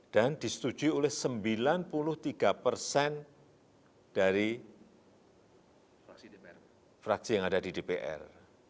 disetujui oleh sembilan puluh tiga persen dari fraksi yang ada di dpr